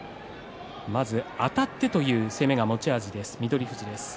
まずはあたってというのが持ち味です翠富士。